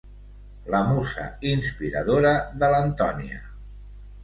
La musa inspiradora de l'Antònia.